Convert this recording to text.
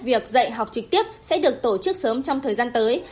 việc dạy học trực tiếp sẽ được tổ chức sớm trong thời gian tới